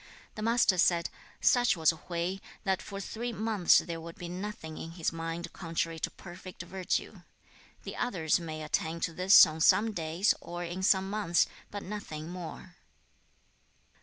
The Master said, 'Such was Hui that for three months there would be nothing in his mind contrary to perfect virtue. The others may attain to this on some days or in some months, but nothing more.'